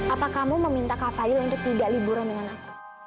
apa kamu meminta khafadil untuk tidak liburan dengan aku